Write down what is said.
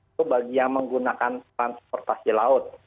itu bagi yang menggunakan transportasi laut